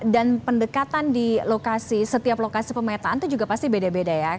dan pendekatan di lokasi setiap lokasi pemetaan itu juga pasti beda beda ya